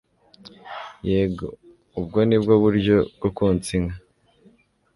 Yego, ubwo ni bwo buryo bwo konsa inka?